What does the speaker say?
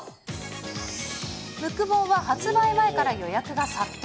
ムック本は発売前から予約が殺到。